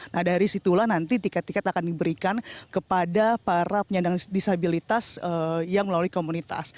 nah dari situlah nanti tiket tiket akan diberikan kepada para penyandang disabilitas yang melalui komunitas